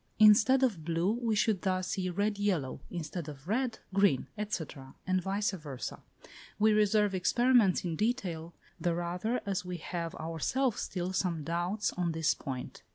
Instead of blue, we should thus see red yellow; instead of red, green, &c., and vice versâ. We reserve experiments in detail, the rather as we have ourselves still some doubts on this point.